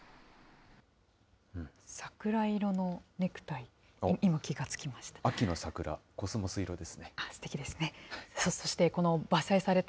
桜色のネクタイ、今気が付きました。